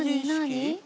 何？